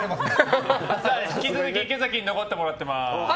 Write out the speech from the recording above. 引き続き池崎に残ってもらっています。